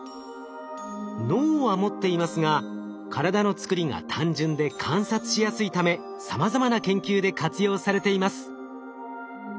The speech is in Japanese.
脳は持っていますが体のつくりが単純で観察しやすいためさまざまな研究で活用されています。